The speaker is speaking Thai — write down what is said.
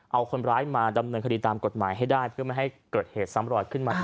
เอาคนร้ายมาดำเนินคดีตามกฎหมายให้ได้เพื่อไม่ให้เกิดเหตุซ้ำรอยขึ้นมาอีก